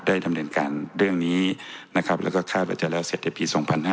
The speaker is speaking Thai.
ได้ทำเนินการเรื่องนี้แล้วก็ค่าปัจจัยแล้วเสร็จในปี๒๕๖๘